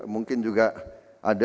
mungkin juga ada anak buah bapak